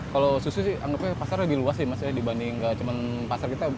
kalau susu sih anggapnya pasar lebih luas sih mas ya dibanding nggak cuma pasar kita